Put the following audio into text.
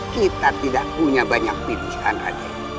kita tidak punya banyak pilihan ada